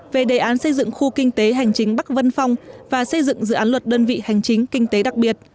về đề án xây dựng khu kinh tế hành chính bắc vân phong và xây dựng dự án luật đơn vị hành chính kinh tế đặc biệt